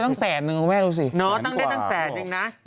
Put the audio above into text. ต้องมีแต่คนในโซเชียลว่าถ้ามีข่าวแบบนี้บ่อยทำไมถึงเชื่อขนาดใด